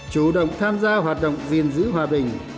chủ động tham gia hoạt động gìn giữ hòa bình